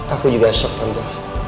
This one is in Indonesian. aku juga syuk tante